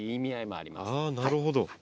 あなるほど。